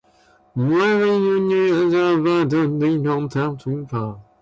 My family has always had a strong passion for traveling and exploring new places.